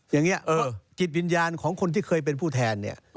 อย่างนี้จิตวิญญาณของคนที่เคยเป็นผู้แทนเนี่ย